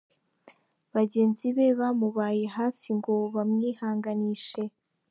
Bagenzi be bamubaye hafi ngo bamwihanganishe.